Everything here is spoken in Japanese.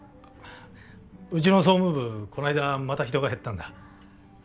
うちの総務部こないだまた人が減ったんだ。